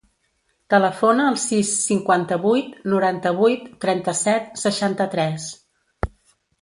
Telefona al sis, cinquanta-vuit, noranta-vuit, trenta-set, seixanta-tres.